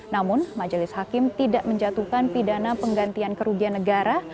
namun majelis hakim tidak menjatuhkan pidana penggantian kerugian negara